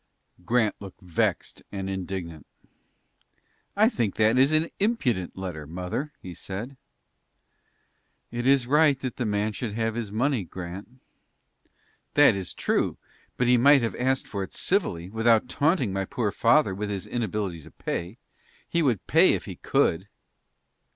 Grant looked vexed and indignant. "I think that is an impudent letter, mother," he said. "It is right that the man should have his money, Grant." "That is true, but he might have asked for it civilly, without taunting my poor father with his inability to pay. He would pay if he could."